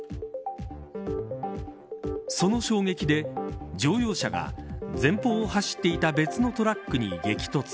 その衝撃で、乗用車が前方を走っていた別のトラックに激突。